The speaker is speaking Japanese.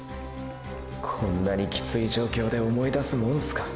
こんなにキツイ状況で思い出すモンすか。